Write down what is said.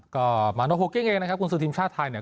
ก็มาโนโฮเก้งเองนะครับคุณซื้อทีมชาติไทยเนี่ย